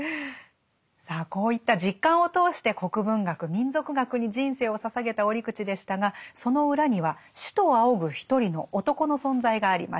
さあこういった実感を通して国文学民俗学に人生を捧げた折口でしたがその裏には師と仰ぐ一人の男の存在がありました。